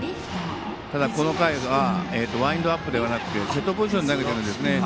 ただ、この回はワインドアップではなくてセットポジションで投げているんですね。